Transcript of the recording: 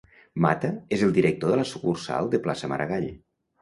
Mata, es el director de la sucursal de plaça Maragall.